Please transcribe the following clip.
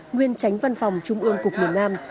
nguyên tránh văn phòng trung ương cục miền nam